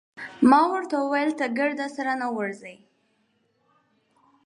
ما ورته وویل: ته ګرد سره نه ورځې؟